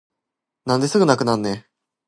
なんですぐなくなるねん